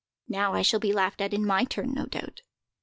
Now I shall be laughed at in my turn, no doubt."